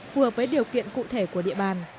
phù hợp với điều kiện cụ thể của địa bàn